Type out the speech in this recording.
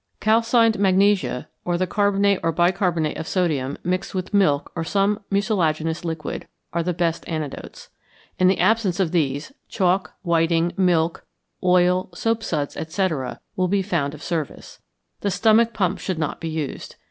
_ Calcined magnesia or the carbonate or bicarbonate of sodium, mixed with milk or some mucilaginous liquid, are the best antidotes. In the absence of these, chalk, whiting, milk, oil, soap suds, etc., will be found of service. The stomach pump should not be used.